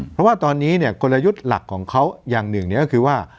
เพราะว่าตอนนี้กลยุทธ์หลักของเขาอย่างหนึ่งก็คือว่า